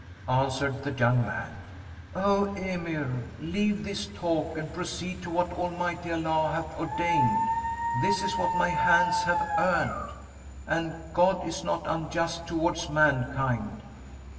Answered the young man, "O Emir, leave this talk and proceed to what Almighty Allah hath ordained; this is what my hands have earned, and, 'God is not unjust towards mankind.'"